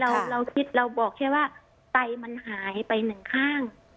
เราคิดเราบอกแค่ว่าไตมันหายไปหนึ่งข้าง